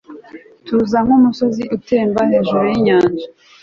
Tuza nkumusozi utemba hejuru yinyanja